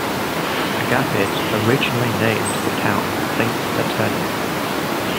Agapit originally named the town Saint Saturnin.